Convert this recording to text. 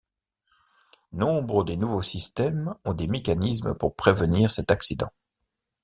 Nombre des nouveaux systèmes ont des mécanismes pour prévenir cet accident.